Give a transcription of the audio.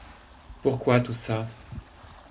Pourquoi tout ça?